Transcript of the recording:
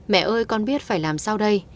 mẹ ơi con biết phải làm sao đây